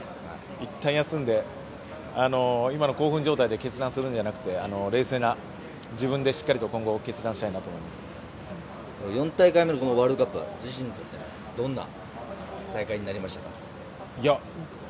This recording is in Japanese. いったん休んで今の興奮状態で決断するんじゃなくて冷静な自分でしっかりと今後、決断したいと４大会目のワールドカップ自身にとってどんな大会になりましたか？